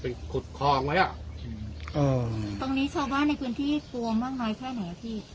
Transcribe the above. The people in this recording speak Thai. เป็นขุดคลองไว้อ่ะตรงนี้ชาวบ้านในพื้นที่กลัวมากมายแค่ไหนอ่ะพี่